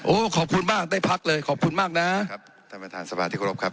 ขอบคุณมากได้พักเลยขอบคุณมากนะครับท่านประธานสมาธิกรบครับ